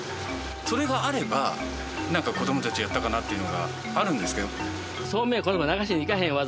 それがあればなんか子供たちがやったかなっていうのがあるんですけど。